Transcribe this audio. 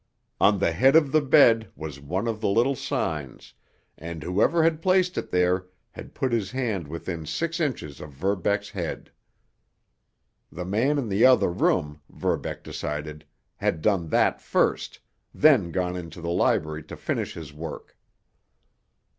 On the head of the bed was one of the little signs, and whoever had placed it there had put his hand within six inches of Verbeck's head. The man in the other room, Verbeck decided, had done that first, then gone into the library to finish his work.